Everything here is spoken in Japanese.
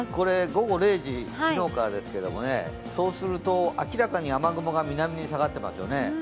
午後０時、昨日からですがそうすると明らかに雨雲が南に下がっていますよね。